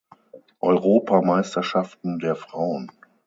Europameisterschaften der Frauen.